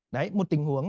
đấy một tình huống